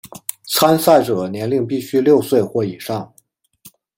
参赛者年龄必须六岁或以上。